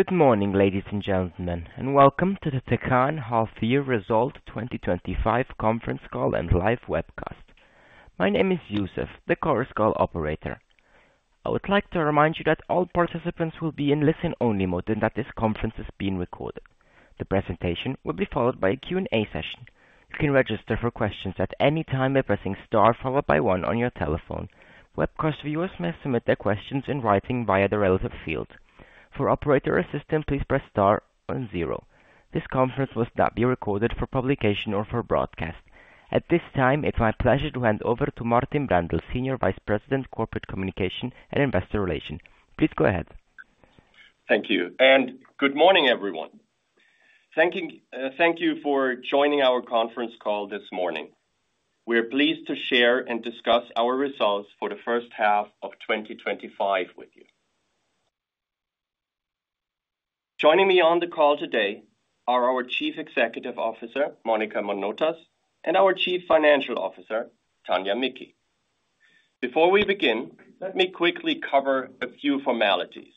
Good morning, ladies and gentlemen, and welcome to the Tecan Half Year Result 2025 Conference Call and live webcast. My name is Youssef, the Chorus Call Operator. I would like to remind you that all participants will be in listen-only mode and that this conference is being recorded. The presentation will be followed by a Q&A session. You can register for questions at any time by pressing STAR followed by one on your telephone. Webcast viewers may submit their questions in writing via the relative field. For operator assistance, please press STAR then zero. This conference will not be recorded for publication or for broadcast at this time. It's my pleasure to hand over to Martin Brändle, Senior Vice President, Corporate Communication and Investor Relations. Please go ahead. Thank you and good morning everyone. Thank you for joining our conference call this morning. We are pleased to share and discuss our results for the first half of 2025 with you joining me on the. Call today are our Chief Executive Officer. Monika Manotas and our Chief Financial Officer Tanja Micki. Before we begin, let me quickly cover a few formalities.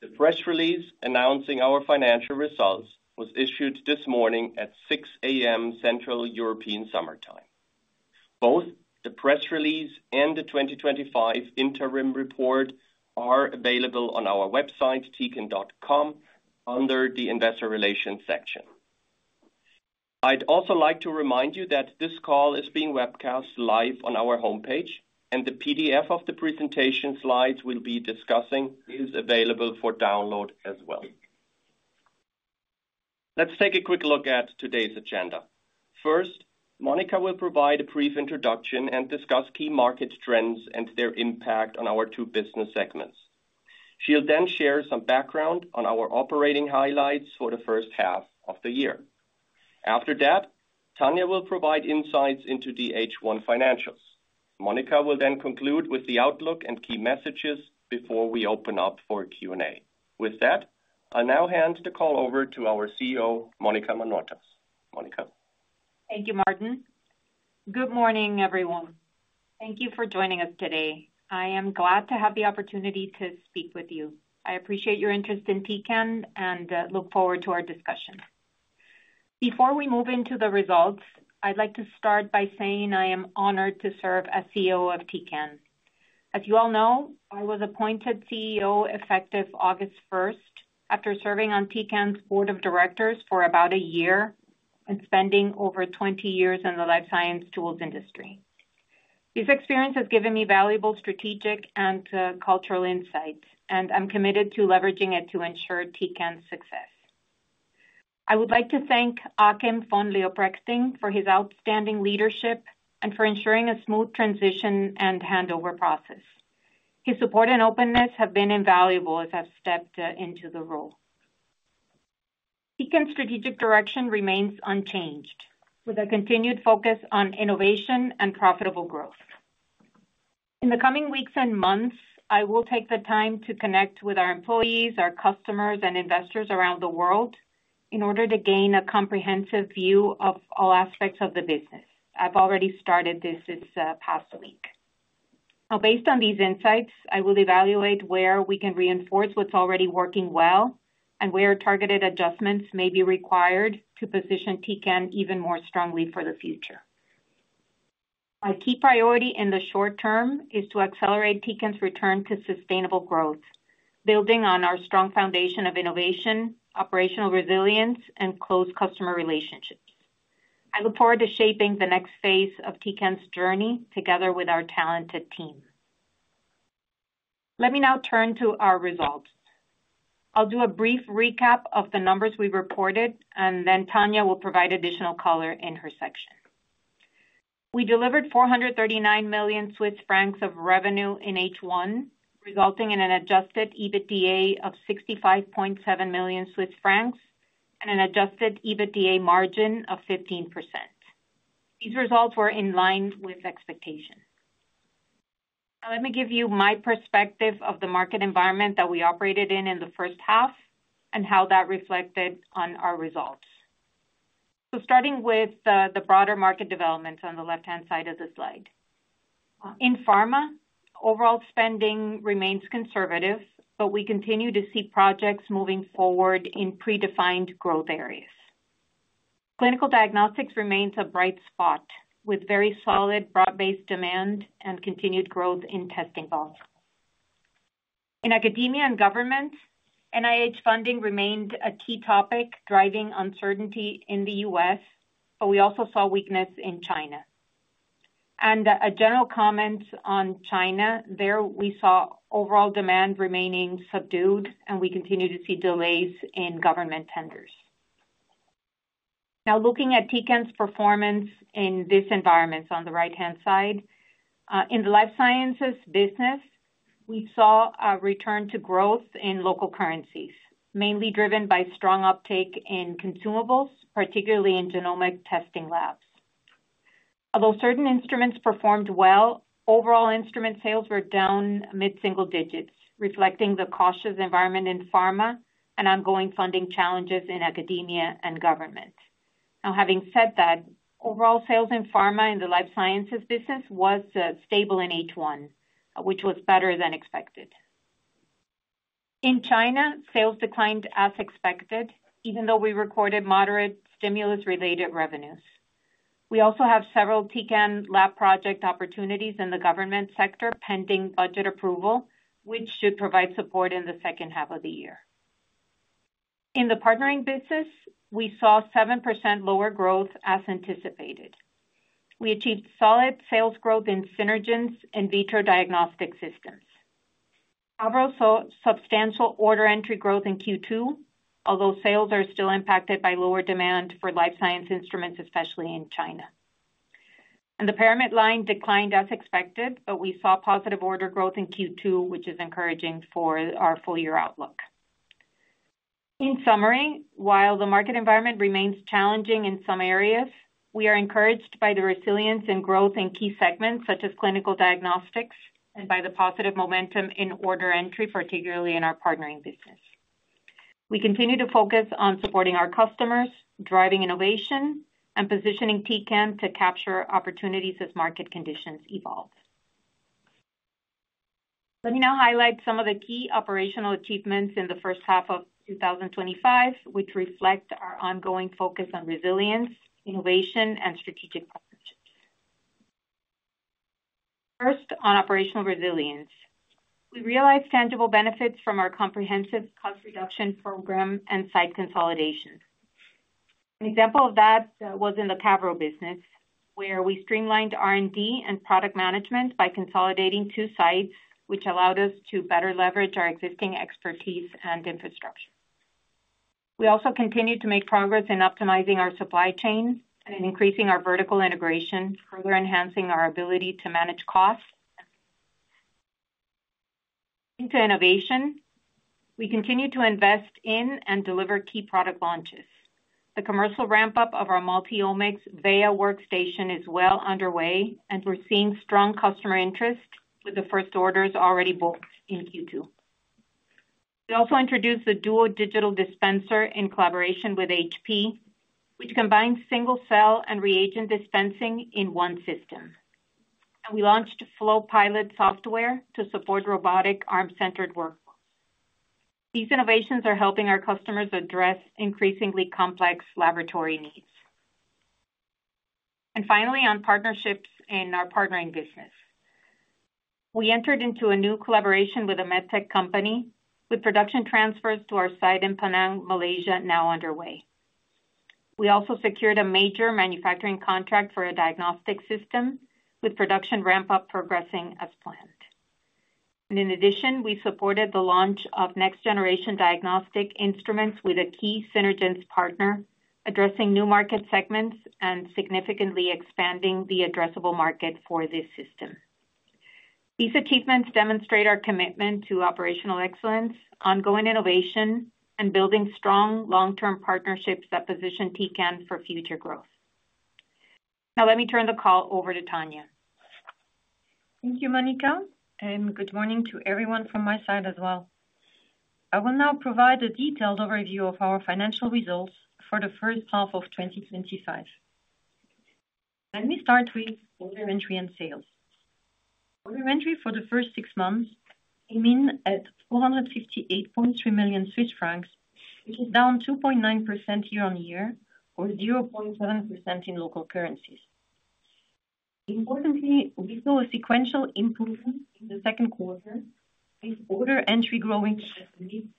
The press release announcing our financial results was issued this morning at 6:00 A.M. Central European Summer Time. Both the press release and the 2025 Interim Report are available on our website tecan.com under the Investor Relations section. I'd also like to remind you that this call is being webcast live on our homepage, and the PDF of the presentation slides we'll be discussing is available for download as well. Let's take a quick look at today's agenda. First, Monika will provide a brief introduction and discuss key market trends and their impact on our two business segments. She'll then share some background on our operating highlights for the first half of the year. After that, Tanja will provide insights into the H1 financials. Monika will then conclude with the outlook and key messages before we open up for Q&A. With that, I now hand the call over to our CEO Monika Manotas. Monika? Thank you, Martin. Good morning everyone. Thank you for joining us today. I am glad to have the opportunity to speak with you. I appreciate your interest in Tecan and look forward to our discussion. Before we move into the results, I'd like to. Like to start by saying I am honored to serve as CEO of Tecan. As you all know, I was appointed CEO effective August 1 after serving on Tecan's board of directors for about a year and spending over 20 years in the life science tools industry. This experience has given me valuable strategic and cultural insights and I'm committed to leveraging it to ensure Tecan's success. I would like to thank Achim von Leoprechting for his outstanding leadership and for ensuring a smooth transition and handover process. His support and openness have been invaluable as I've stepped into the role. Tecan's strategic direction remains unchanged with a continued focus on innovation and profitable growth. In the coming weeks and months, I will take the time to connect with our employees, our customers, and investors around the world in order to gain a comprehensive view of all aspects of the business. I've already started this past week. Now, based on these insights, I will evaluate where we can reinforce what's already working well and where targeted adjustments may be required to position Tecan even more strongly for the future. A key priority in the short term is to accelerate Tecan's return to sustainable growth, building on our strong foundation of innovation, operational resilience, and close customer relationships. I look forward to shaping the next phase of Tecan's journey together with our talented team. Let me now turn to our results. I'll do a brief recap of the numbers we reported and then Tanja will provide additional color in her section. We delivered 439 million Swiss francs of revenue in H1, resulting in an adjusted EBITDA of 65.7 million Swiss francs and an adjusted EBITDA margin of 15%. These results were in line with expectation. Let me give you my perspective of the market environment that we operated in in the first half and how that reflected on our results. Starting with the broader market developments on the left hand side of the slide in pharma, overall spending remains conservative, but we continue to see projects moving forward in predefined growth areas. Clinical diagnostics remains a bright spot with very solid broad-based demand and continued growth in testing volumes. In academia and government, NIH funding remained a key topic driving uncertainty in the U.S., but we also saw weakness in China. A general comment on China, there we saw overall demand remaining subdued and we continue to see delays in government tenders. Now looking at Tecan's performance in this environment. On the right-hand side in the life sciences business, we saw a return to growth in local currencies, mainly driven by strong uptake in consumables, particularly in genomic testing labs. Although certain instruments performed well overall, instrument sales were down mid single digits, reflecting the cautious environment in pharma and ongoing funding challenges in academia and government. Now, having said that, overall sales in pharma and the life sciences business was stable in H1, which was better than expected. In China, sales declined as expected even though we recorded moderate stimulus-related revenues. We also have several Tecan Labwerx project opportunities in the government sector pending budget approval, which should provide support in the second half of the year. In the partnering business, we saw 7% lower growth as anticipated. We achieved solid sales growth in Synergence in vitro diagnostic systems. Cavro saw substantial order entry growth in Q2, although sales are still impacted by lower demand for life science instruments, especially in China, and the Paramit line declined as expected, but we saw positive order growth in Q2, which is encouraging for our full year outlook. In summary, while the market environment remains challenging in some areas, we are encouraged by the resilience and growth in key segments such as clinical diagnostics and by the positive momentum in order entry, particularly in our partnering business. We continue to focus on supporting our customers, driving innovation, and positioning Tecan to capture opportunities as market conditions evolve. Let me now highlight some of the key operational achievements in the first half of 2025, which reflect our ongoing focus on resilience, innovation, and strategic partnerships. First, on operational resilience, we realized tangible benefits from our comprehensive cost reduction program and site consolidation. An example of that was in the Cavro business, where we streamlined R&D and product management by consolidating two sites, which allowed us to better leverage our existing expertise and infrastructure. We also continued to make progress in optimizing our supply chain and increasing our vertical integration, further enhancing our ability to manage costs into innovation. We continue to invest in and deliver key product launches. The commercial ramp up of our Multi Omics Veya workstation is well underway, and we're seeing strong customer interest with the first orders already booked in Q2. We also introduced the Duo Digital Dispenser in collaboration with HP, which combines single cell and reagent dispensing in one system. We launched Flow Pilot software to support robotic arm centered work. These innovations are helping our customers address increasingly complex laboratory needs. Finally, on partnerships in our partnering business, we entered into a new collaboration with a medtech company, with production transfers to our site in Penang, Malaysia now underway. We also secured a major manufacturing contract for a diagnostic system, with production ramp up progressing as planned. In addition, we supported the launch of next generation diagnostic instruments with a key Synergence partner, addressing new market segments and significantly expanding the addressable market for this system. These achievements demonstrate our commitment to operational excellence, ongoing innovation, and building strong long term partnerships that position Tecan Group AG for future growth. Now let me turn the call over to Tanja. Thank you, Monika, and good morning to everyone from my side as well. I will now provide a detailed overview of our financial results for the first half of 2025. Let me start with order entry and sales. Order entry for the first six months came in at 458.3 million Swiss francs. It is down 2.9% year-on-year or 0.7% in local currencies. Importantly, we saw a sequential improvement in the second quarter with order entry growing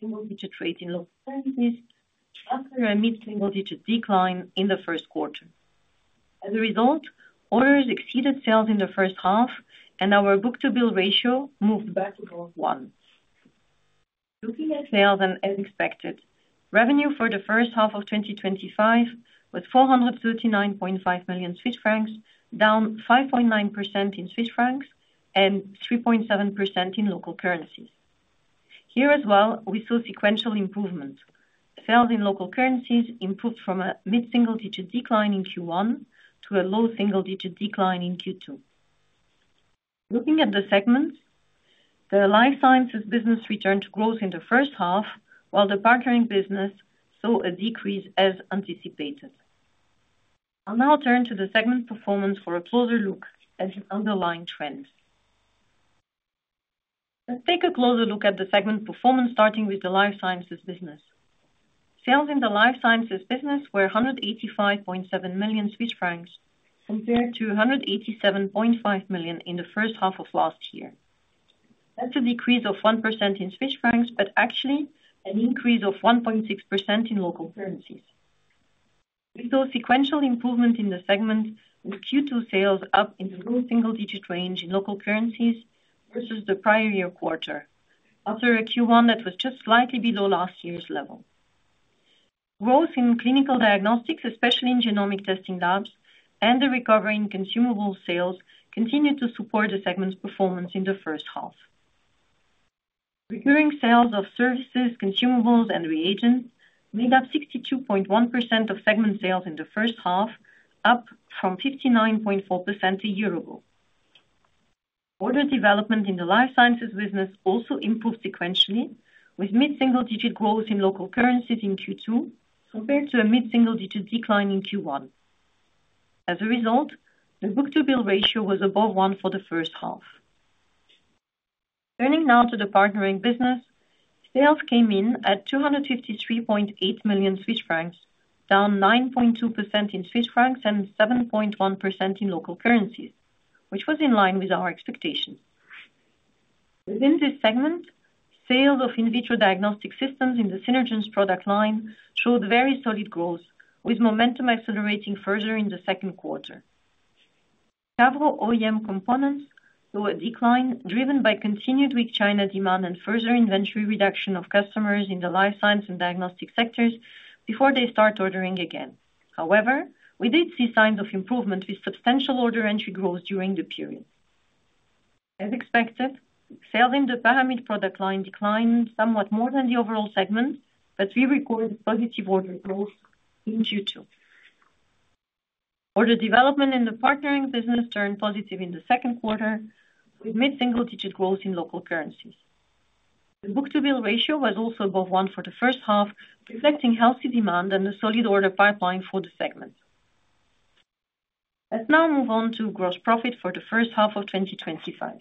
in local currencies after a mid single digit decline in the first quarter. As a result, orders exceeded sales in the first half and our book-to-bill ratio moved back to 1. Looking at sales and as expected, revenue for the first half of 2025 was 439.5 million Swiss francs, down 5.9% in Swiss francs and 3.7% in local currencies. Here as well, we saw sequential improvement. Sales in local currencies improved from a mid single digit decline in Q1 to a low single digit decline in Q2. Looking at the segments, the Life Sciences business returned to growth in the first half while the Partnering business saw a decrease. As anticipated, I'll now turn to the segment performance for a closer look at the underlying trend. Take a closer look at the segment performance starting with the Life Sciences business. Sales in the Life Sciences business were 185.7 million Swiss francs compared to 187.5 million in the first half of last year. That's a decrease of 1% in Swiss francs but actually an increase of 1.6% in local currencies with sequential improvement in the segment, with Q2 sales up in the low single digit range in local currencies versus the prior year quarter after a Q1 that was just slightly below last year's level. Growth in clinical diagnostics, especially in genomic testing labs, and the recovery in consumable sales continue to support the segment's performance in the first half. Recurring sales of services, consumables, and reagents made up 62.1% of segment sales in the first half, up from 59.4% a year ago. Order development in the Life Sciences business also improved sequentially with mid single digit growth in local currencies in Q2 compared to a mid single digit decline in Q1. As a result, the book-to-bill ratio was above 1 for the first half. Turning now to the Partnering business, sales came in at 253.8 million Swiss francs, down 9.2% in Swiss francs and 7.1% in local currencies, which was in line with our expectations within this segment. Sales of in vitro diagnostic systems in the Synergence product line showed very solid growth with momentum accelerating further in the second quarter. Several OEM components saw a decline driven by continued weak China demand and further inventory reduction of customers in the life science and diagnostic sectors before they start ordering again. However, we did see signs of improvement with substantial order entry growth during the period. As expected, sales in the Paramit product line declined somewhat more than the overall segment, but we recorded positive order growth in Q2. Order development in the partnering business turned positive in the second quarter with mid single digit growth in local currencies. The book-to-bill ratio was also above one for the first half, reflecting healthy demand and the solid order pipeline for the segment. Let's now move on to gross profit. For the first half of 2025,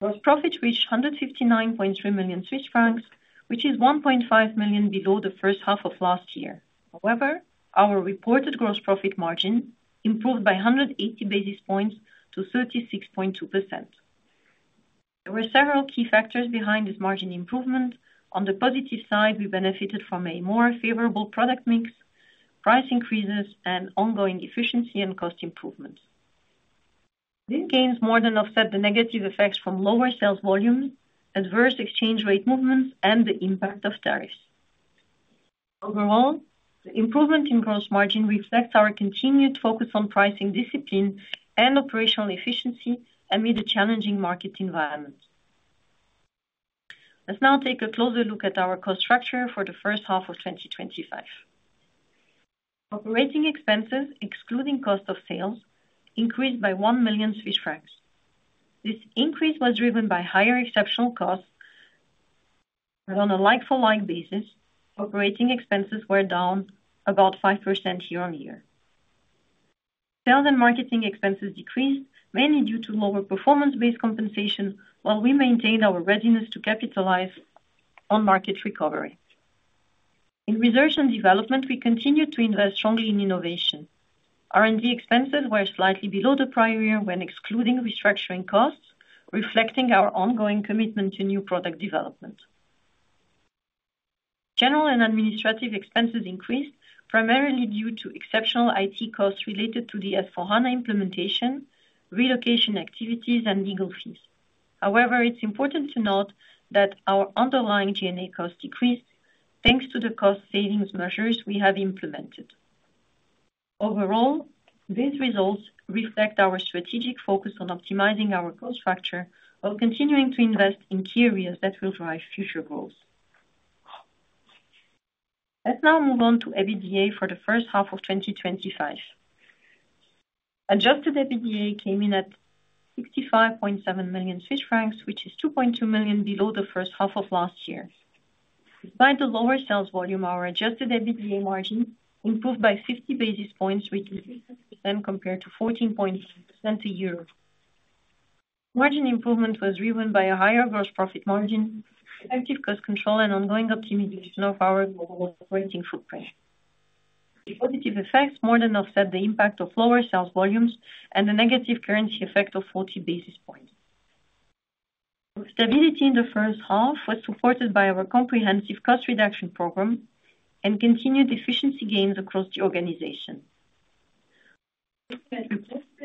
gross profit reached 159.3 million Swiss francs, which is 1.5 million below the first half of last year. However, our reported gross profit margin improved by 180 basis points to 36.2%. There were several key factors behind this margin improvement. On the positive side, we benefited from a more favorable product mix, price increases, and ongoing efficiency and cost improvements. These gains more than offset the negative effects from lower sales volumes, adverse exchange rate movements, and the impact of tariffs. Overall, the improvement in gross margin reflects our continued focus on pricing discipline and operational efficiency amid a challenging market environment. Let's now take a closer look at our cost structure. For the first half of 2025, operating expenses excluding cost of sales increased by 1 million Swiss francs. This increase was driven by higher exceptional costs. On a like-for-like basis, operating expenses were down about 5% year-on-year. Sales and marketing expenses decreased mainly due to lower performance-based compensation. While we maintained our readiness to capitalize on market recovery, in research and development, we continued to invest strongly in innovation. R&D expenses were slightly below the prior year when excluding restructuring costs, reflecting our ongoing commitment to new product development. General and administrative expenses increased primarily due to exceptional IT costs related to the S/4HANA implementation, relocation activities, and legal fees. However, it's important to note that our underlying G&A cost decreased thanks to the cost savings measures we have implemented. Overall, these results reflect our strategic focus on optimizing our cost structure while continuing to invest in key areas that will drive future growth. Let's now move on to EBITDA. For the first half of 2025, adjusted EBITDA came in at 65.7 million Swiss francs, which is 2.2 million below the first half of last year. Despite the lower sales volume, our adjusted EBITDA margin improved by 50 basis points, which then compared to 14 points than 2 years. Margin improvement was driven by a higher gross profit margin, active cost control, and ongoing optimization of our global operating footprint. Positive effects more than offset the impact of lower sales volumes and the negative currency effect of 40 basis points. Stability in the first half was supported by our comprehensive cost reduction program and continued efficiency gains across the organization.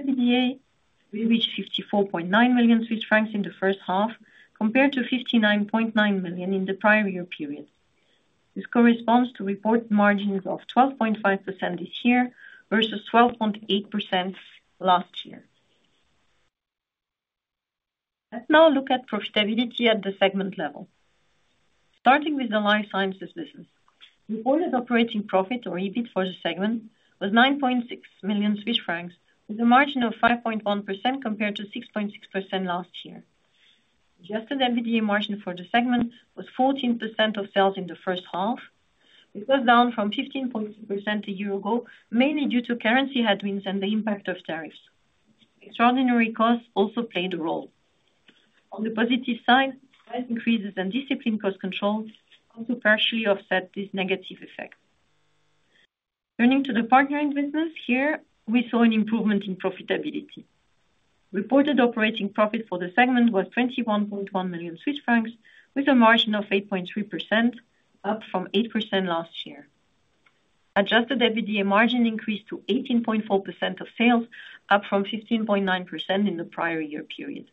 We reached 54.9 million Swiss francs in the first half compared to 59.9 million in the prior year period. This corresponds to reported margins of 12.5% this year versus 12.8% last year. Let's now look at profitability at the segment level, starting with the Life Sciences business. Reported operating profit or EBIT for the segment was 9.6 million Swiss francs with a margin of 5.1% compared to 6.6% last year. Adjusted EBITDA margin for the segment was 14% of sales in the first half. It was down from 15.6% a year ago, mainly due to currency headwinds and the impact of tariffs. Extraordinary costs also played a role. On the positive side, increases and disciplined cost control partially offset this negative effect. Turning to the Partnering business, here we saw an improvement in profitability. Reported operating profit for the segment was 21.1 million Swiss francs with a margin of 8.3%, up from 8% last year. Adjusted EBITDA margin increased to 18.4% of sales, up from 15.9% in the prior year period.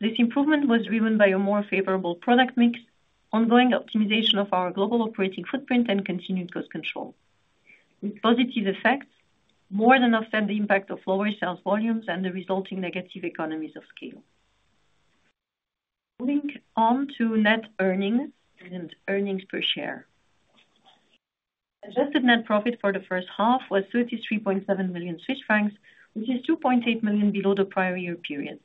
This improvement was driven by a more favorable product mix, ongoing optimization of our global operating footprint, and continued cost control with positive effects more than offsetting the impact of lower sales volumes and the resulting negative economies of scale. Moving on to net earnings and earnings per share, adjusted net profit for the first half was 33.7 million Swiss francs, which is 2.8 million below the prior year period.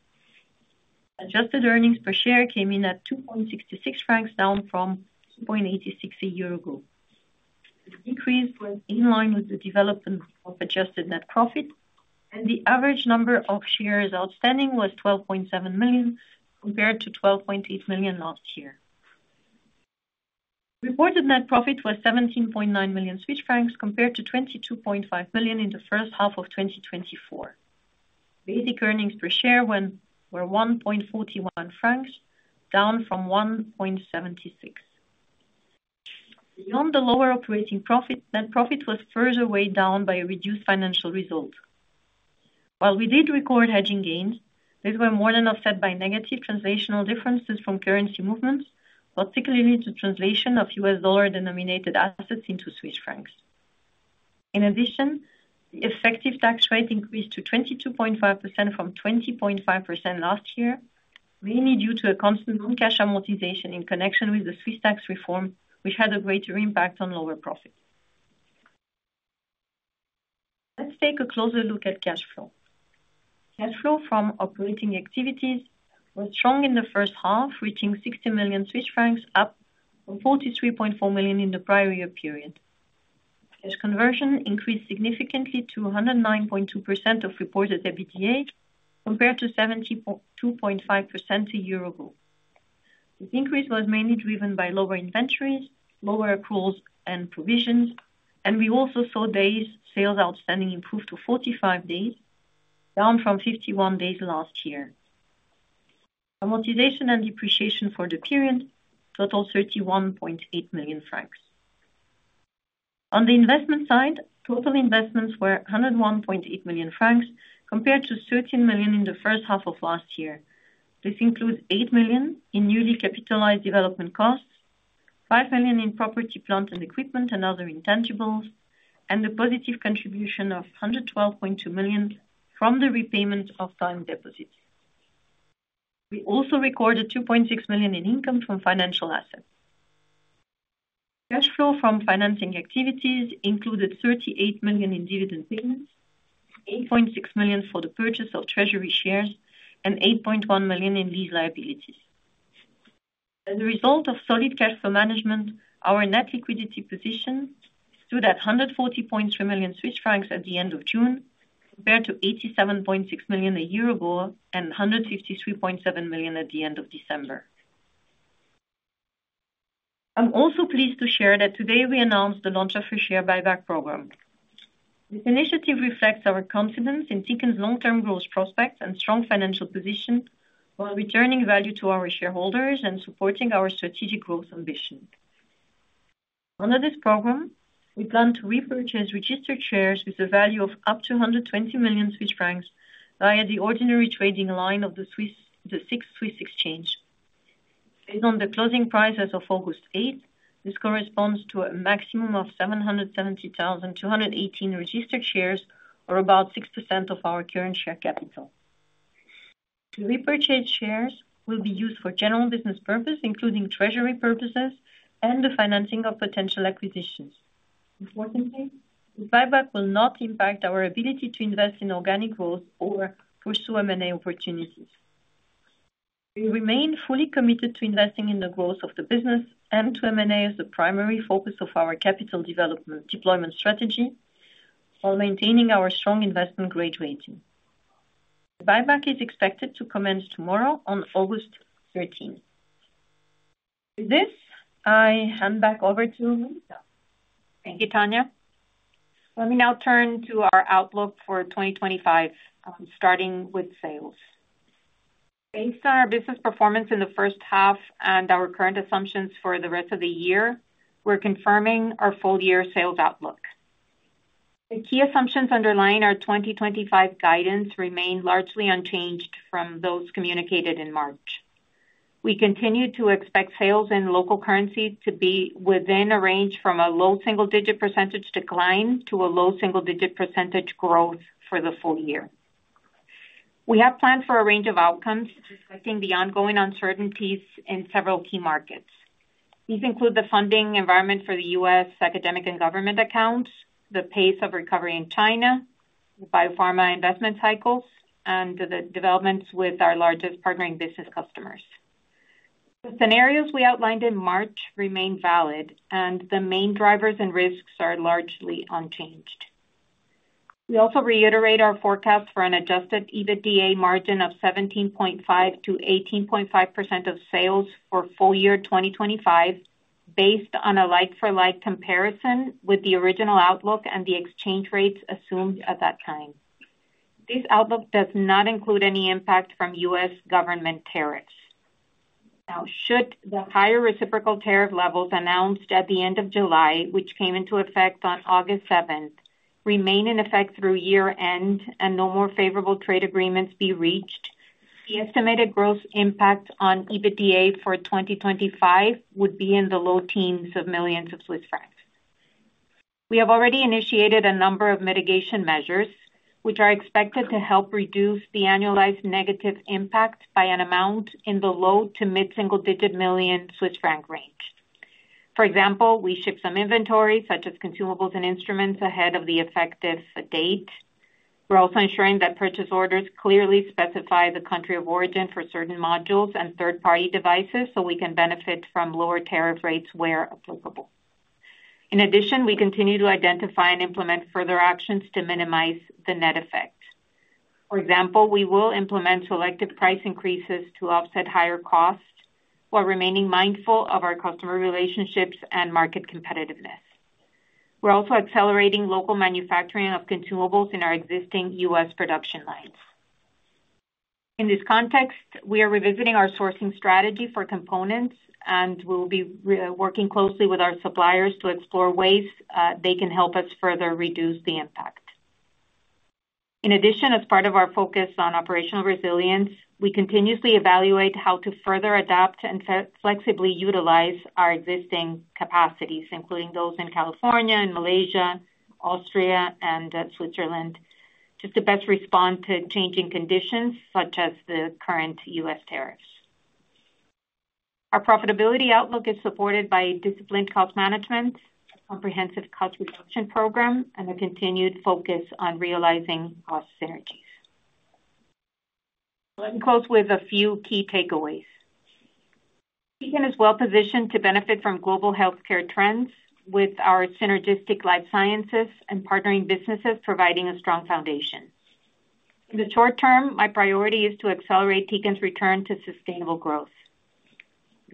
Adjusted earnings per share came in at 2.66 francs, down from 0.86 a year ago. This decrease was in line with the development of adjusted net profit, and the average number of shares outstanding was 12.7 million compared to 12.8 million last year. Reported net profit was 17.9 million Swiss francs compared to 22.5 million in the first half of 2024. Basic earnings per share were 1.41 francs, down from 1.76. Beyond the lower operating profit, net profit was further weighed down by a reduced financial result. While we did record hedging gains, these were more than offset by negative translational differences from currency movements, particularly due to translation of U.S. dollar denominated assets into Swiss francs. In addition, the effective tax rate increased to 22.5% from 20.5% last year, mainly due to a constant non-cash amortization in connection with the Swiss tax reform, which had a greater impact on lower profits. Let's take a closer look at cash flow. Cash flow from operating activities was strong in the first half, reaching 60 million Swiss francs, up from 43.4 million in the prior year period. This conversion increased significantly to 109.2% of reported EBITDA compared to 72.5% a year ago. This increase was mainly driven by lower inventories, lower accruals and provisions, and we also saw days sales outstanding improve to 45 days, down from 51 days last year. Amortization and depreciation for the period totaled 31.8 million francs. On the investment side, total investments were 101.8 million francs compared to 13 million. In the first half of last year. This includes 8 million in newly capitalized development costs, 5 million in property, plant and equipment and other intangibles, and a positive contribution of 112.2 million from the repayment of time deposits. We also recorded 2.6 million in income from financial assets. Cash flow from financing activities included 38 million in dividend payments, 8.6 million for the purchase of treasury shares and 8.1 million in lease liabilities. As a result of solid cash flow management, our net liquidity position stood at 140.3 million Swiss francs at the end of June compared to 87.6 million a year ago and 153.7 million at the end of December. I'm also pleased to share that today we announced the launch of a share buyback program. This initiative reflects our confidence in Tecan's long-term growth prospects and strong financial position while returning value to our shareholders and supporting our strategic growth. Under this program, we plan to repurchase registered shares with a value of up to 120 million Swiss francs via the ordinary trading line of the SIX Swiss Exchange. Based on the closing price as of August 8, this corresponds to a maximum of 770,218 registered shares or about 6% of our current share capital. The repurchased shares will be used for general business purposes, including treasury purposes and the financing of potential acquisitions. Importantly, the buyback will not impact our ability to invest in organic growth or pursue M&A opportunities. We remain fully committed to investing in the growth of the business and to M&A as the primary focus of our capital deployment strategy while maintaining our strong investment grade rating. The buyback is expected to commence tomorrow on August 13. With this, I hand back over to Melissa. Thank you Tanja. Let me now turn to our outlook for 2025, starting with sales. Based on our business performance in the first half and our current assumptions for the rest of the year, we're confirming our full year sales outlook. The key assumptions underlying our 2025 guidance remain largely unchanged from those communicated in March. We continue to expect sales in local currency to be within a range from a low single digit percentage decline to a low single digit percentage growth for the full year. We have planned for a range of outcomes reflecting the ongoing uncertainties in several key markets. These include the funding environment for the U.S. academic and government accounts, the pace of recovery in China, biopharma investment cycles, and the developments with our largest partnering business customers. The scenarios we outlined in March remain valid and the main drivers and risks are largely unchanged. We also reiterate our forecast for an adjusted EBITDA margin of 17.5%-18.5% of sales for full year 2025, based on a like-for-like comparison with the original outlook and the exchange rates assumed at that time. This outlook does not include any impact from U.S. Government tariffs. Now, should the higher reciprocal tariff levels announced at the end of July, which came into effect on August 7, remain in effect through year end and no more favorable trade agreements be reached, the estimated gross impact on EBITDA for 2025 would be in the low teens of millions of Swiss francs. We have already initiated a number of mitigation measures which are expected to help reduce the annualized negative impact by an amount in the low to mid single digit million Swiss franc range. For example, we shift some inventory such as consumables and instruments ahead of the effective date. We're also ensuring that purchase orders clearly specify the country of origin for certain modules and third party devices so we can benefit from lower tariff rates where applicable. In addition, we continue to identify and implement further actions to minimize the net effect. For example, we will implement selective price increases to offset higher cost while remaining mindful of our customer relationships and market competitiveness. We're also accelerating local manufacturing of consumables in our existing U.S. production lines. In this context, we are revisiting our sourcing strategy for components and we'll be working closely with our suppliers to explore ways they can help us further reduce the impact. In addition, as part of our focus on operational resilience, we continuously evaluate how to further adapt and flexibly utilize our existing capacities, including those in California and Malaysia, Austria and Switzerland, just to best respond to changing conditions such as the current U.S. tariffs. Our profitability outlook is supported by disciplined cost management, a comprehensive cost reduction program, and a continued focus on realizing cost synergies. Let me close with a few key takeaways. Tecan is well positioned to benefit from global healthcare trends with our synergistic life sciences and partnering businesses providing a strong foundation. In the short term, my priority is to accelerate Tecan's return to sustainable growth.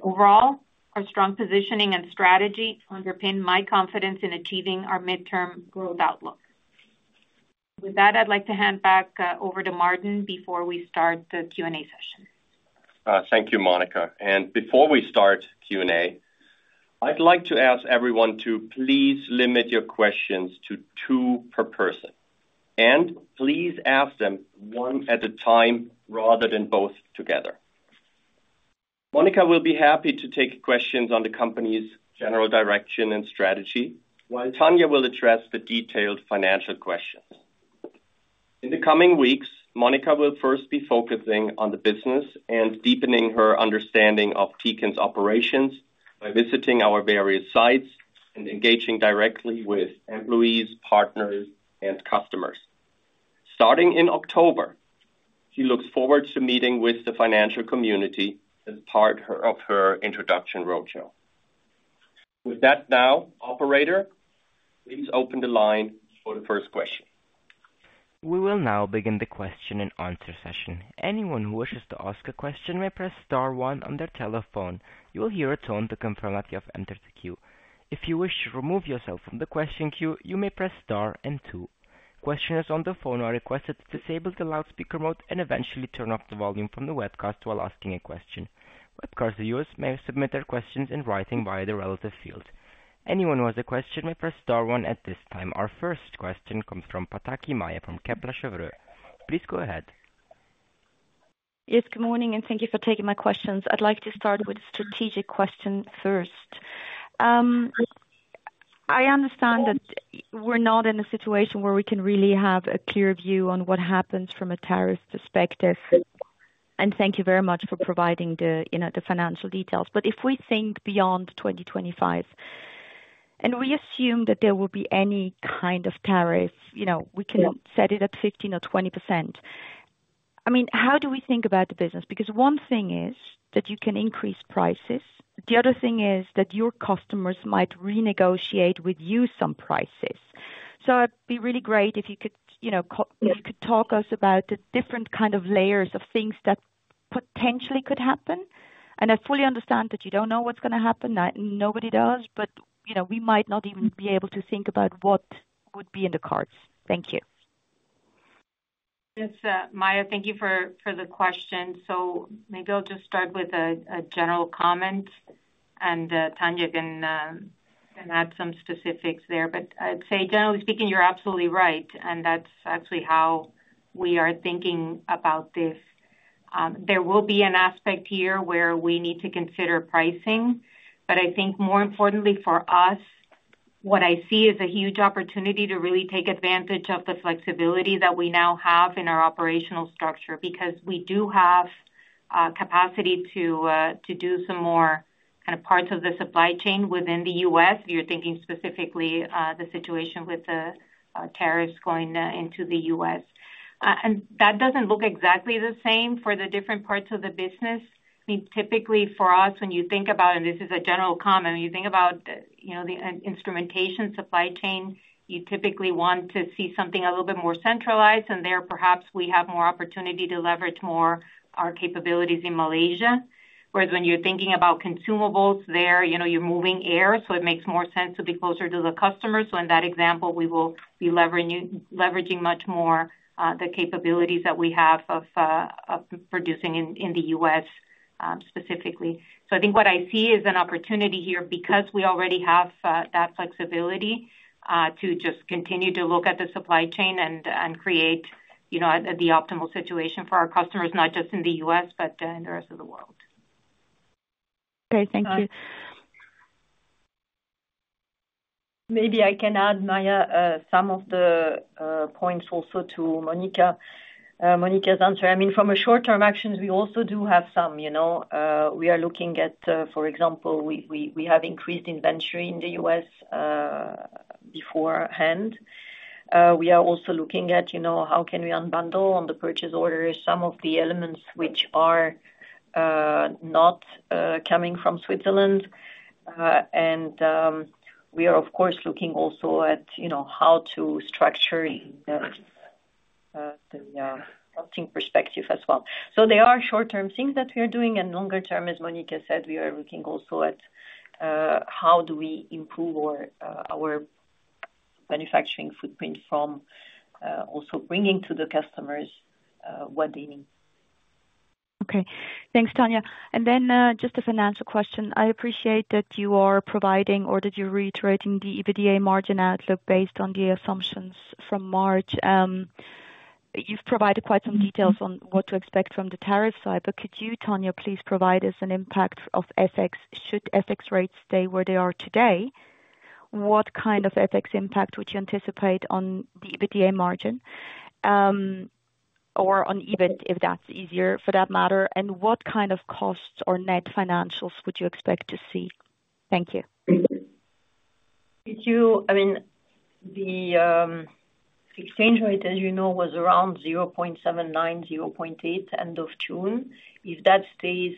Overall, our strong positioning and strategy underpin my confidence in achieving our midterm growth outlook. With that, I'd like to hand back over to Martin before we start the Q&A session. Thank you, Monika. Before we start Q&A, I'd like to ask everyone to please limit your questions to two per person and please ask them one at a time rather than both together. Monika will be happy to take questions on the company's general direction and strategy, while Tanja will address the detailed financial questions. In the coming weeks, Monika will first be focusing on the business and deepening her understanding of Tecan's operations by visiting our various sites and engaging directly with employees, partners, and customers. Starting in October, she looks forward to meeting with the financial community as part of her introduction roadshow. With that, operator, please open the line for the first question. We will now begin the question-and-answer session. Anyone who wishes to ask a question may press star one on their telephone. You will hear a tone to confirm that you have entered the queue. If you wish to remove yourself from the question queue, you may press star and two. Questioners on the phone are requested to disable the loudspeaker mode and eventually turn off the volume from the webcast while asking a question. Webcast viewers may submit their questions in writing via the relevant field. Anyone who has a question may press star one at this time. Our first question comes from Maja Pataki from Kepler Cheuvreux, please go ahead. Yes, good morning and thank you for taking my questions. I'd like to start with a strategic question first. I understand that we're not in a. Situation where we can really have a. clear view on what happens from a tariff perspective. Thank you very much for providing the financial details. If we think beyond 2025 and we assume that there will be any kind of tariff, we can set it at 15% or 20%. How do we think about the business? One thing is that you can increase prices. The other thing is that your customers might renegotiate with you some prices. It'd be really great if you. Could you talk us about the different kind of layers of things that potentially could happen? I fully understand that you don't know what's going to happen. Nobody does. We might not even. Be able to think about what would. Be in the cards. Thank you. Thank you for the question. Maybe I'll just start with a general comment and Tanja can add some specifics there. I'd say generally speaking, you're absolutely right and that's actually how we are thinking about this. There will be an aspect here where we need to consider pricing. I think more importantly for us, what I see is a huge opportunity to really take advantage of the flexibility that we now have in our operational structure because we do have capacity to do some more kind of parts of the supply chain within the U.S. if you're thinking specifically about the situation with the tariffs going into the U.S. That doesn't look exactly the same for the different parts of the business. Typically for us, when you think about, and this is a general comment, when you think about the instrumentation supply chain, you typically want to see something a little bit more centralized and there perhaps we have more opportunity to leverage more our capabilities in Malaysia, whereas when you're thinking about consumables, you're moving air. It makes more sense to be closer to the customer. In that example, we will be leveraging much more the capabilities that we have of producing in the U.S. I think what I see is an opportunity here because we already have that flexibility to just continue to look at the supply chain and create the optimal situation for our customers, not just in the U.S. but in the rest of the world. Okay, thank you. Maybe I can add, Maja, some of the points also to Monika, Monika's answer. I mean from a short term actions, we also do have some, you know, we are looking at, for example, we have increased inventory in the U.S. beforehand. We are also looking at, you know, how can we unbundle on the purchase order some of the elements which are not coming from Switzerland. We are of course looking also at, you know, how to structure perspective as well. There are short term things that we are doing and longer term, as Monika said, we are looking also at how do we improve our manufacturing footprint from also bringing to the customers what they need. Okay, thanks Tanja. Just a financial question, I appreciate that you are providing or did you reiterate in the EBITDA margin outlook based on the assumptions from March. You've provided quite some details on what to expect from the tariff side. Could you, Tanja, please provide us an impact of FX? Should FX rates stay where they are today, what kind of FX impact would you anticipate on the EBITDA margin? Or on. EBIT if that's easier for that matter. What kind of costs or net financials would you expect to see? Thank you. I mean the exchange rate, as you know, was around 0.79, 0.8 at the end of June. If that stays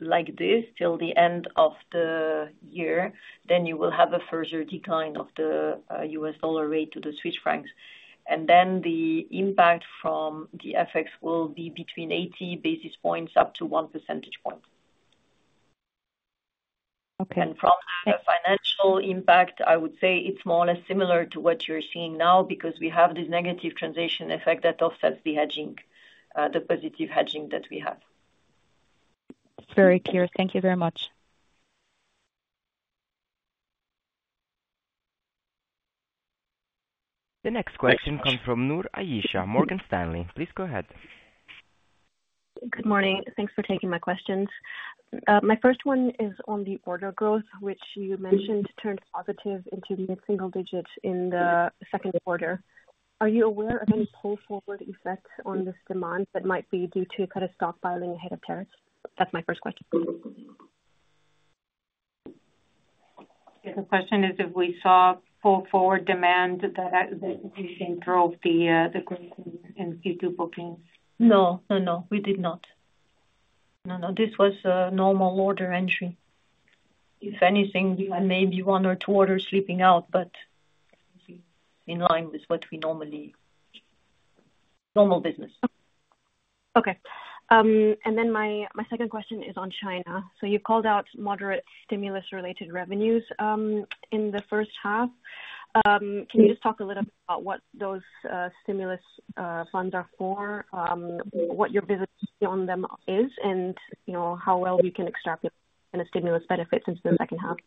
like this until the end of the year, you will have a further decline of the U.S. dollar rate to the Swiss franc, and the impact from the FX will be between 80 basis points up to 1%. From a financial impact, I would say it's more or less similar to what you're seeing now because we have this negative transition effect that offsets the positive hedging that we have. Very clear. Thank you very much. The next question comes from Aisyah Noor, Morgan Stanley. Please go ahead. Good morning. Thanks for taking my questions. My first one is on the order growth, which you mentioned turned positive into the mid single digits in the second quarter. Are you aware of any pull forward effects on this demand that might be? Due to kind of stockpiling ahead of tariffs? That's my first question. The question is if we saw pull forward demand that increasingly drove the growth in the. No, we did not. This was a normal order entry. If anything, maybe one or two orders slipping out, but in line with what we normally see in normal business. Okay. My second question is on China. You called out moderate stimulus related. Revenues in the first half. Can you just talk a little bit? About what those stimulus funds are for. What your visit on them is. How well we can extract stimulus benefits into them. That can happen.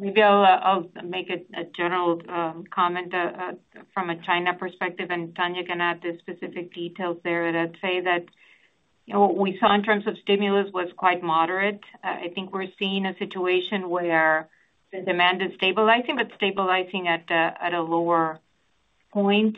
Maybe I'll make a general comment from a China perspective, and Tanja can add the specific details there. I’d say that what we saw. In terms of stimulus, it was quite moderate. I think we're seeing a situation where the demand is stabilizing, but stabilizing at a lower point.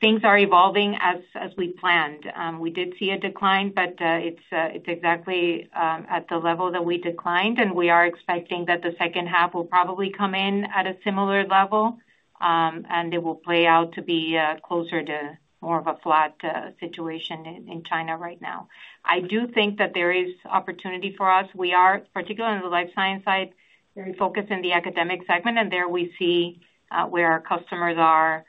Things are evolving as we planned. We did see a decline, but it's exactly at the level that we declined. We are expecting that the second half will probably come in at a similar level, and it will play out to be closer to more of a flat situation in China right now. I do think that there is opportunity for us. We are particularly on the life science side, very focused in the academic segment. There we see where our customers are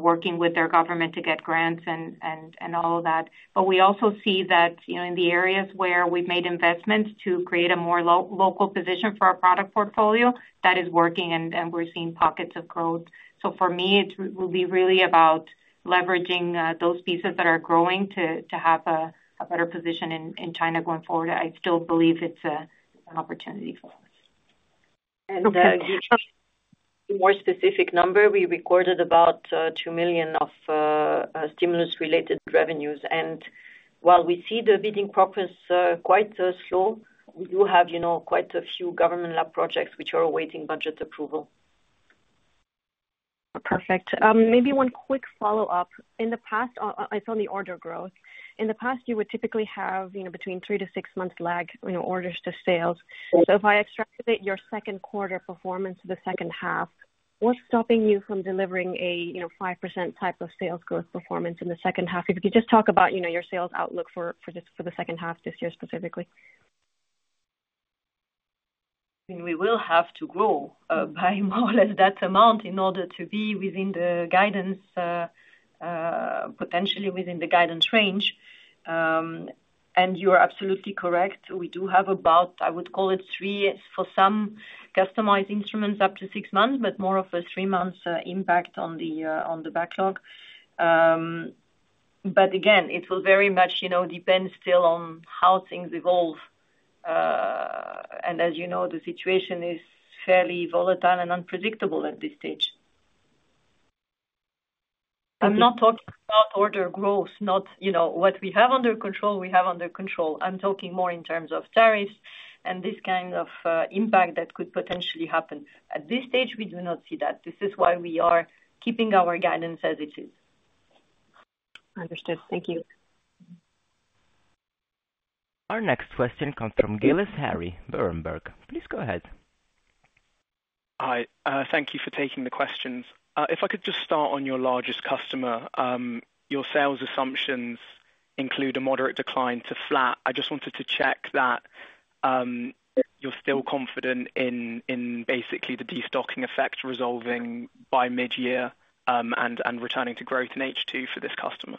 working with their government to get grants and all of that. We also see that in the areas where we've made investments to create a more local position for our product portfolio, that is working, and we're seeing pockets of growth. For me, it will be really about leveraging those pieces that are growing to have a better position in China going forward. I still believe it's an opportunity for us. We recorded about 2 million of stimulus-related revenues. While we see the bidding process quite slow, we do have quite a few government lab projects which are awaiting budget approval. Perfect. Maybe one quick follow-up. In the past, it's only order growth. In the past, you would typically have, you know, between three to six months. Lag orders to sales. If I extrapolate your second quarter performance in the second half, what's stopping you from delivering a 5% type. Of sales growth performance in the second half? If you could just talk about your sales outlook for the second half. Year specifically we will have to grow by more or less that amount in order to be within the guidance, potentially within the guidance range. You are absolutely correct. We do have about, I would call it three for some customized instruments up to six months, but more of a three months impact on the backlog. Again, it will very much depend still on how things evolve. As you know, the situation is fairly volatile and unpredictable at this stage. I'm not talking about order growth, not what we have under control. We have under control. I'm talking more in terms of tariffs and this kind of impact that could potentially happen at this stage. We do not see that. This is why we are keeping our guidance as it is understood. Thank you. Our next question comes from Harry Gillis, Berenberg. Please go ahead. Hi. Thank you for taking the questions. If I could just start on your largest customer. Your sales assumptions include a moderate decline to flat. I just wanted to check that you're still confident in basically the destocking effect resolving by mid year and returning to growth in H2 for this customer.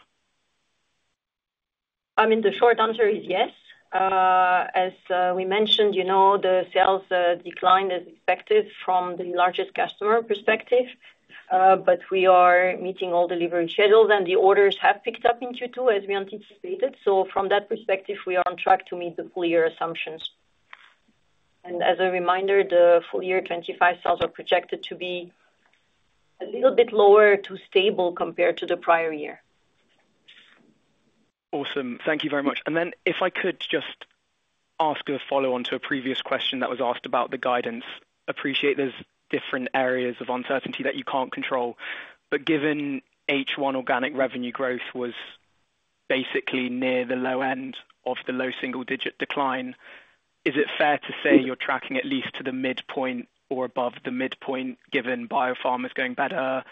I mean the short answer is yes, as we mentioned, you know, the sales declined as expected from the largest customer perspective. We are meeting all delivery schedules and the orders have picked up in Q2 as we anticipated. From that perspective we are on track to meet the clear assumptions. As a reminder, the full year 2025 sales are projected to be a little bit lower to stable compared to the prior year. Awesome. Thank you very much. If I could just ask a follow-on to a previous question that was asked about the guidance. I appreciate there's different areas of uncertainty that you can't control. Given H1 organic revenue growth was basically near the low end of the low single-digit decline, is it fair to say you're tracking at least to the midpoint or above the midpoint, given biopharma is going better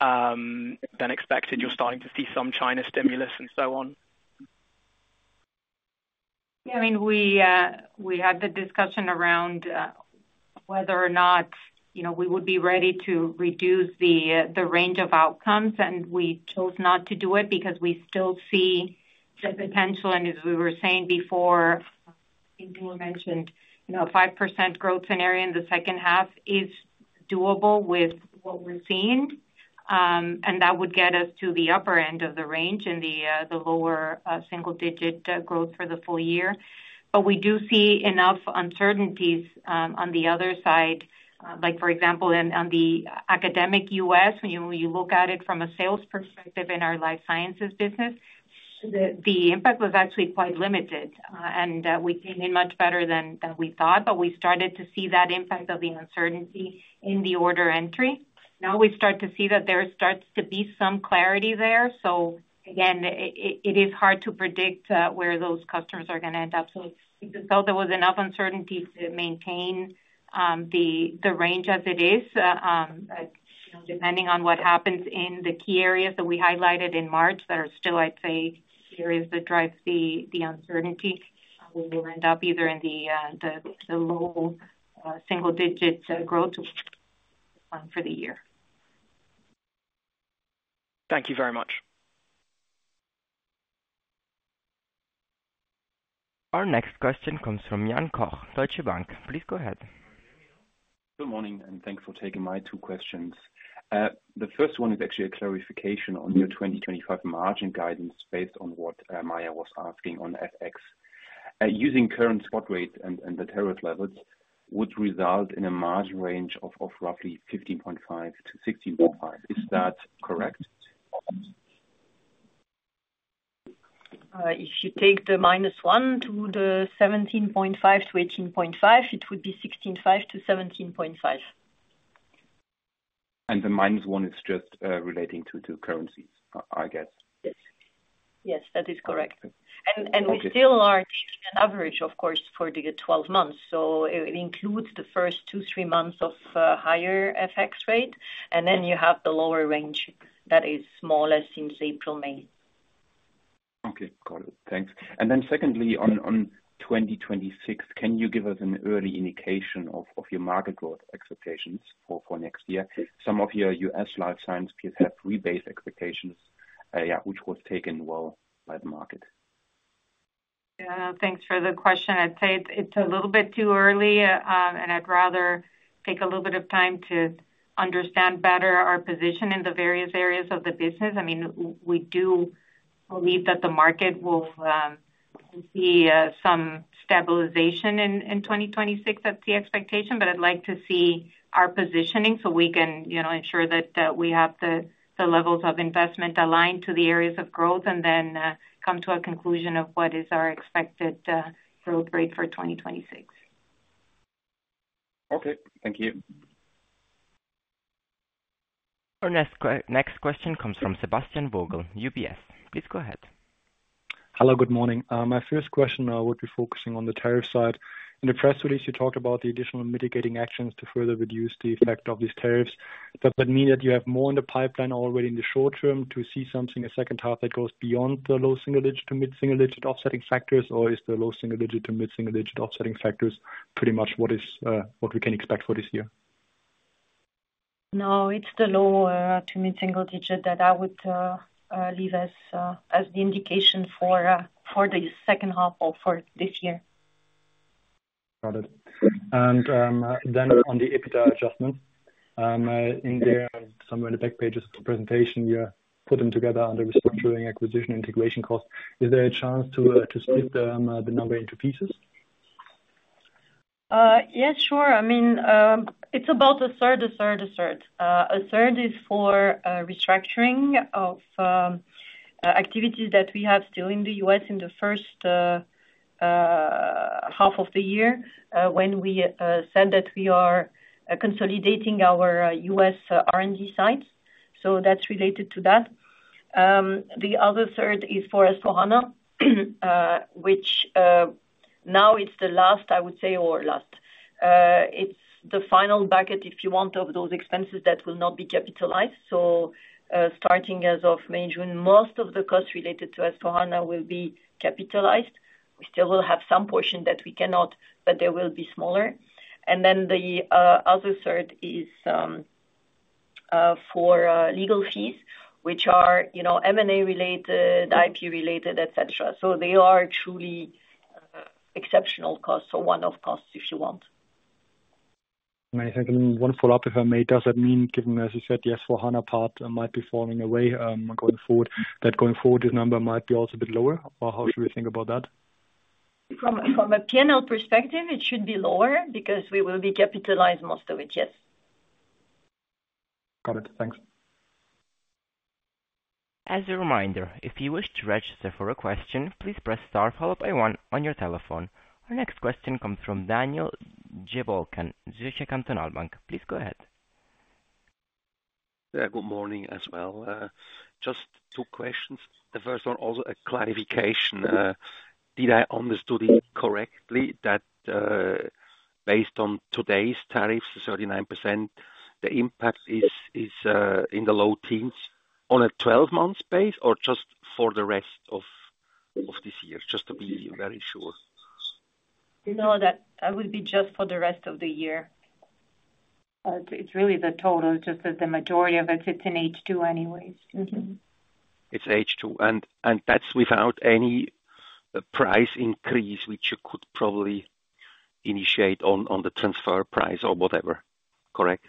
than expected, you're starting to see some China stimulus and so on. I mean, we had the discussion around whether or not we would be ready to reduce the range of outcomes, and we chose not to do it because we still see the potential. As we were saying before, 5% growth scenario in the second half is doable with what we're seeing, and that would get us to the upper end of the range and the lower single digit growth for the full year. We do see enough uncertainties on the other side, like for example on the academic U.S. When you look at it from a sales perspective in our life sciences business, the impact was actually quite limited, and we came in much better than we thought. We started to see that impact of the uncertainty in the order entry. Now we start to see that there starts to be some clarity there. It is hard to predict where those customers are going to end up. There was enough uncertainty to maintain the range as it is, depending on what happens in the key areas that we highlighted in March that are still, I'd say, that drives the uncertainty. We will end up either in the low single digit growth for the year. Thank you very much. Our next question comes from Jan Koch, Deutsche Bank. Please go ahead. Good morning and thanks for taking my two questions. The first one is actually a clarification on your 2025 margin guidance based on what Maja was asking on FX using current spot rate and the tariff levels would result in a margin range of roughly 15.5%-16.5%, is that correct? If you take the -1 to the 17.5-18.5, it would be 16.5-17.5. The -1 is just relating to two currencies, I guess. Yes, that is correct. We still are taking an average. Of course, for the 12 months. It includes the first 2-3 months of higher FX rate, and then you have the lower range that is smaller since April, May. Okay, got it, thanks. Secondly, on 2026, can you give us an early indication of your market growth expectations for next year? Some of your U.S. Life Science have rebased expectations, which was taken well by the market. Thanks for the question. I'd say it's a little bit too early, and I'd rather take a little bit of time to understand better our position in the various areas of the business. I mean, we do believe that the market will be some stabilization in 2026. That's the expectation. I'd like to see our positioning so we can ensure that we have the levels of investment aligned to the areas of growth and then come to a conclusion of what is our expected growth rate for 2026. Okay, thank you. Our next question comes from Sebastian Vogel, UBS. Please go ahead. Hello, good morning. My first question would be focusing on the tariff side. In the press release you talked about the additional mitigating actions to further reduce the effect of these tariffs. Does that mean that you have more in the pipeline already in the short term to see something a second half that goes beyond the low single digit to mid single digit offsetting factors? Is the low single digit to mid single digit offsetting factors pretty much what we can expect for this year? No, it's the low to mid single digit that I would leave as the indication for the second half of this year. Got it. On the adjusted EBITDA adjustment in there, somewhere in the back pages of the presentation, you put them together under doing acquisition integration cost. Is there a chance to split the number into pieces? Yes, sure. I mean it's about 1/3, 1/3. A third. A third is for restructuring of activities that we have still in the U.S. in the first half of the year when we said that we are consolidating our U.S. R&D sites. That's related to that. The other third is for S/4HANA, which now it's the last, I would say, or last it's the final bucket if you want, of those expenses that will not be capitalized. Starting as of May or June, most of the costs related to S/4HANA will be capitalized. We still will have some portion that we cannot, but they will be smaller. The other third is for legal fees which are, you know, M&A related, IP related, etc. They are truly exceptional costs or one-off costs if you want. To follow up, if I may, does that mean given as you said, yes, for Hana part might be falling away going forward, that going forward this number might be also a bit lower? How should we think about that? A P&L perspective? It should be lower because we will be capitalizing most of it. Yes, got it. Thanks. As a reminder, if you wish to register for a question, please press star followed by one on your telephone. Our next question comes from Daniel Jelovcan, Zürcher Kantonalbank. Please go ahead. Good morning as well, just two questions. The first one, also a clarification. Did I understand it correctly that based on today's tariffs, 39% the impact is in the low teens on a 12-month base or just for the rest of this year, just to be very sure? No, that would be just for the rest of the year. It's really the total, just that the majority of it sits in H2. Anyways, it's H2 and that's without any price increase, which you could probably initiate on the transfer price or whatever, correct?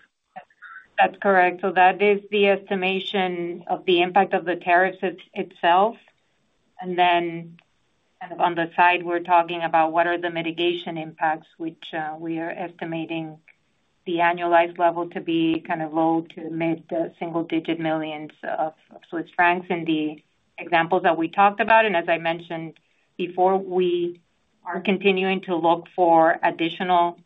That's correct. That is the estimation of the impact of the tariffs itself. On the side, we're talking about what are the mitigation impacts, which we are estimating at the annualized level to be low to mid single-digit millions of Swiss francs in the examples that we talked about. As I mentioned before, we are continuing to look for additional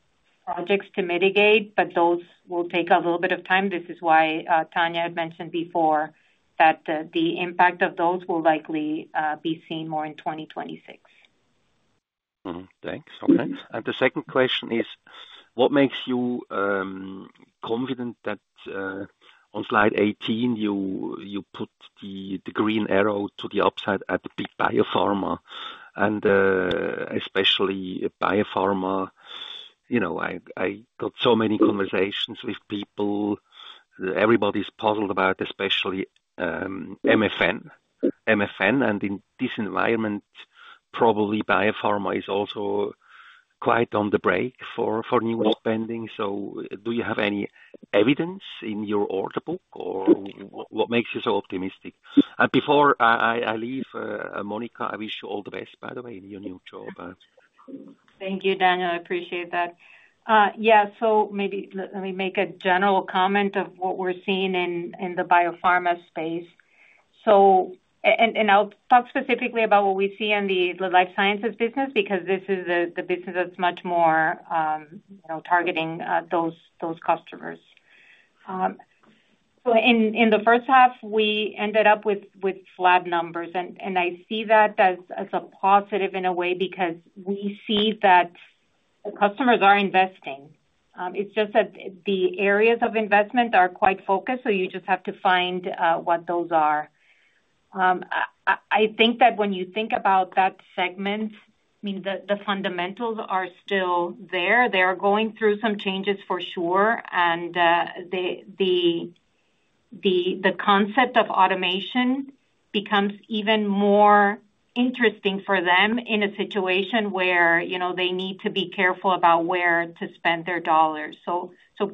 projects to mitigate, but those will take a little bit of time. This is why Tanja had mentioned before that the impact of those will likely be seen more in 2026. Thanks. The second question is what makes you confident that on slide 18 you put the green arrow to the upside at the big biopharma and especially Biopharma. I got so many conversations with people, everybody's puzzled about especially MFN and in this environment probably Biopharma is also quite on the break for new pending. Do you have any evidence in your order book or what makes you so optimistic? Before I leave, Monika, I wish you all the best, by the way, in your new job. Thank you, Daniel, I appreciate that. Maybe let me make a general comment of what we're seeing in the biopharma space, and I'll talk specifically about what we see in the life sciences business because this is the business that's much more, you know, targeting those customers. In the first half, we ended up with flat numbers. I see that as a positive in a way because we see that customers are investing. It's just that the areas of investment are quite focused. You just have to find what those are. I think that when you think about that segment, the fundamentals are still there. They are going through some changes for sure, and the concept of automation becomes even more interesting for them in a situation where they need to be careful about where to spend their dollars.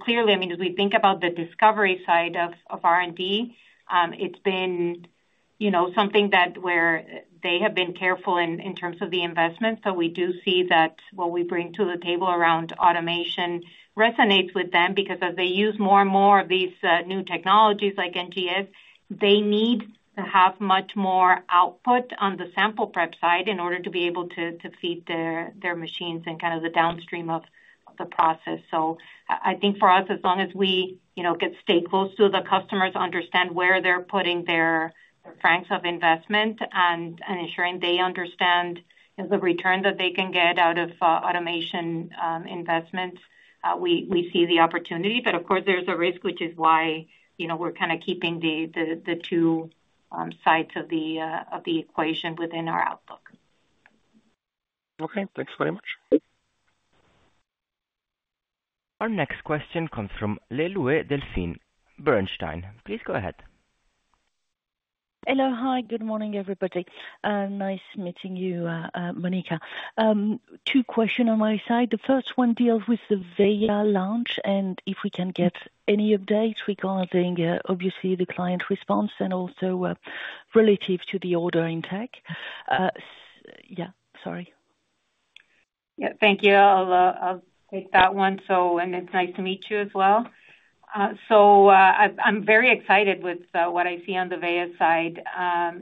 Clearly, as we think about the discovery side of R&D, it's been something where they have been careful in terms of the investments. We do see that what we bring to the table around automation resonates with them because as they use more and more of these new technologies like NGS, they need to have much more output on the sample prep side in order to be able to feed their machines and the downstream of the process. For us, as long as we get staples to the customers, understand where they're putting their francs of investment, and ensuring they understand the return that they can get out of automation investments, we see the opportunity. Of course, there's a risk, which is why we're kind of keeping the two sides of the equation within our outlook. Okay, thanks very much. Our next question comes from Delphine Le Louet, Bernstein. Please go ahead. Hello. Hi. Good morning, everybody. Nice meeting you. Monika, two questions on my side. The first one deals with the Multi Omics Veya workstation launch and if we can get any updates regarding obviously the client response and also relative to the order intake. Yeah, sorry. Yeah, thank you, I'll take that one. It's nice to meet you as well. I'm very excited with what I see on the Veya side.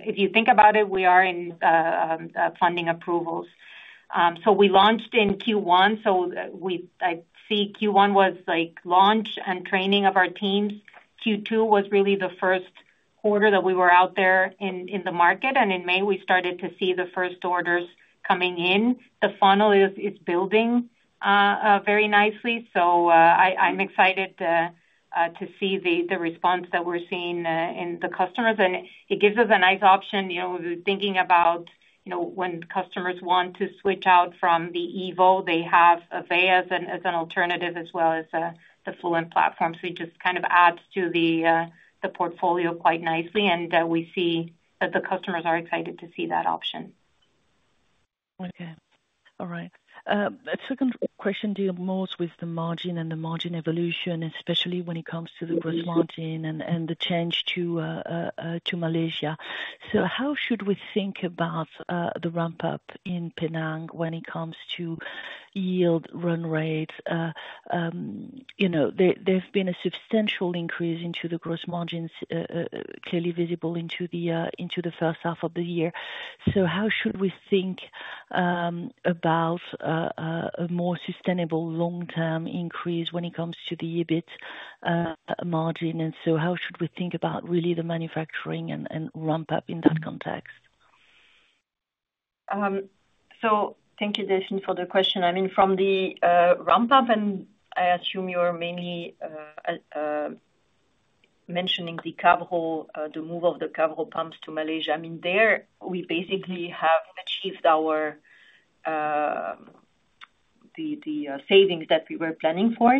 If you think about it, we are in funding approvals. We launched in Q1. I see Q1 was like launch and training of our teams. Q2 was really the first order that we were out there in the market, and in May we started to see the first orders coming in. The funnel is building very nicely. I'm excited to see the response that we're seeing in the customers, and it gives us a nice option thinking about when customers want to switch out from the EVO they have as an alternative, as well as the Fluent platforms, which just kind of adds to the portfolio quite nicely, and we see that the customers are excited to see that option. Okay, all right, second question. Deal more with the margin and the margin evolution, especially when it comes to the brim and the change to Malaysia. How should we think about the ramp up in Penang when it comes to yield run rates? There's been a substantial increase into the gross margins, clearly visible into the first half of the year. How should we think about a more sustainable long term increase when it comes to the EBIT margin? How should we think about really the manufacturing and ramp up in that context. Thank you, Delphine, for the question. I mean from the ramp-up, and I assume you are mainly mentioning Cavro, the move of the Cavro pumps to Malaysia. There we basically have achieved the savings that we were planning for.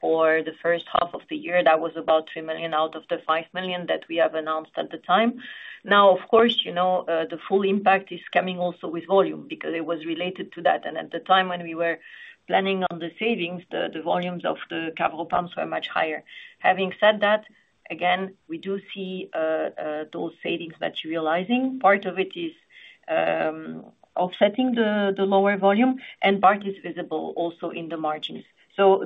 For the first half of the year, that was about 3 million out of the 5 million that we announced at the time. Now, of course, the full impact is coming also with volume because it was related to that. At the time when we were planning on the savings, the volumes of the Cavro pumps were much higher. Having said that, we do see those savings materializing. Part of it is offsetting the lower volume and part is visible also in the margins.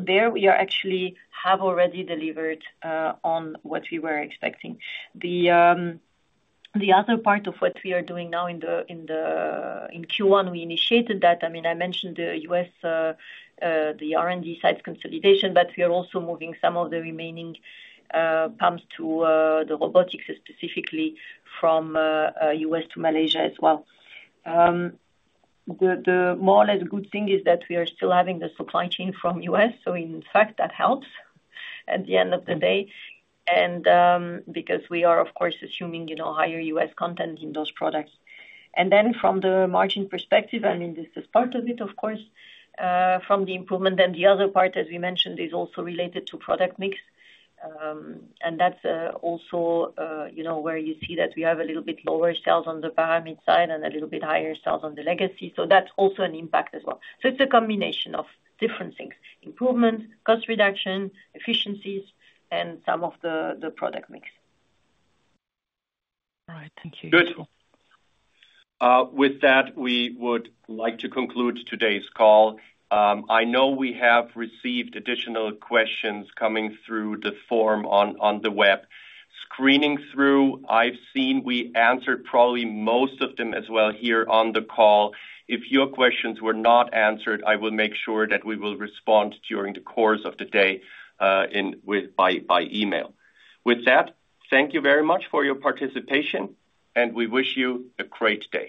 There we actually have already delivered on what we were expecting. The other part of what we are doing now, in Q1 we initiated that. I mentioned the U.S., the R&D sites, but we are also moving some of the remaining pumps to the robotics, specifically from the U.S. to Malaysia as well. The more or less good thing is that we are still having the supply chain from the U.S. In fact, that helps at the end of the day because we are, of course, assuming higher U.S. content in those products. From the margin perspective, this is part of it, of course, from the improvement. The other part, as we mentioned, is also related to product mix. That's also where you see that we have a little bit lower sales on the Paramit side and a little bit higher sales on the legacy. That's also an impact as well. It's a combination of different things: improvements, cost reduction, efficiencies, and some of the product mix. All right, thank you. With that, we would like to conclude today's call. I know we have received additional questions coming through the form on the web screening through. I've seen we answered probably most of them as well here on the call. If your questions were not answered, I will make sure that we will respond during the course of the day by email. With that, thank you very much for your participation and we wish you a great day.